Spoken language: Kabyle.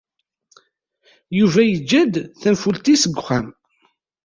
Yuba yeǧǧa-d tanfult-is deg uxxam.